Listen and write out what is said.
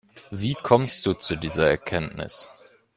Wie kommst du zu dieser Erkenntnis?